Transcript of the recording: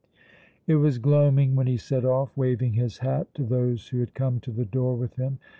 It was gloaming when he set off, waving his hat to those who had come to the door with him.